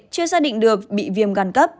chưa xác định được bị viêm gan cấp